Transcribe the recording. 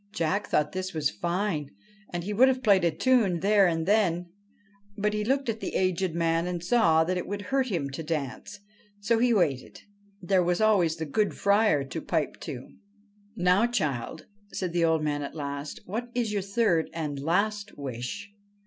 Jack thought this was fine, and would have played a tune there and then, but he looked at the aged man and saw that it would hurt him to dance ; so he waited : there was always the ' good Friar ' to pipe to. ' Now, child,' said the old man at last, ' what is your third and last wish